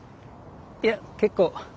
いや結構。